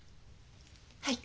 はい。